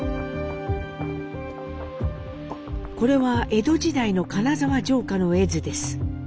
これは江戸時代の金沢城下の絵図です。